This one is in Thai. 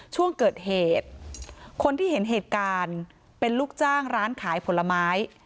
ช่วงเกิดเหตุคนที่เห็นเหตุการณ์เป็นลูกจ้างร้านขายผลไม้